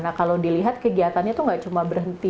nah kalau dilihat kegiatannya itu nggak cuma berhenti